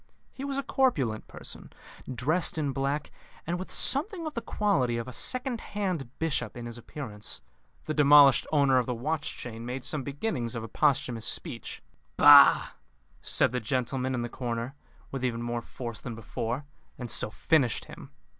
He was a corpulent person, dressed in black, and with something of the quality of a second hand bishop in his appearance. The demolished owner of the watch chain made some beginnings of a posthumous speech. "Bah!" said the gentleman in the corner, with even more force than before, and so finished him.